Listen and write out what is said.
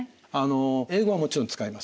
英語はもちろん使います。